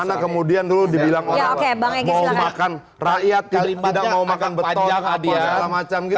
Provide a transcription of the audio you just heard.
karena kemudian dulu dibilang orang mau makan rakyat tidak mau makan beton atau segala macam gitu loh